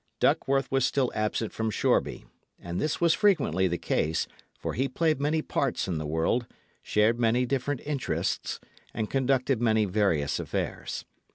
Duckworth was still absent from Shoreby; and this was frequently the case, for he played many parts in the world, shared many different interests, and conducted many various affairs.